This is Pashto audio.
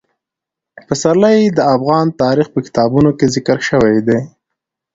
پسرلی د افغان تاریخ په کتابونو کې ذکر شوی دي.